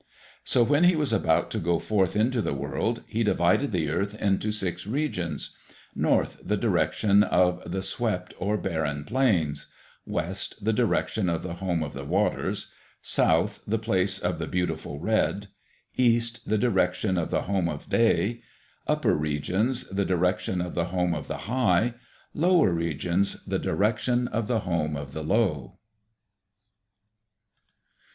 So when he was about to go forth into the world, he divided the earth into six regions: North, the Direction of the Swept or Barren Plains; West, the Direction of the Home of the Waters; South, the Place of the Beautiful Red; East, the Direction of the Home of Day; upper regions, the Direction of the Home of the High; lower regions, the Direction of the Home of the Low.